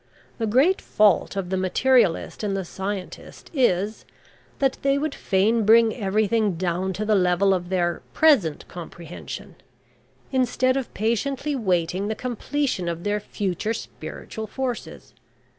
The great fault of the materialist and the scientist is, that they would fain bring everything down to the level of their present comprehension, instead of patiently waiting the completion of their future spiritual forces.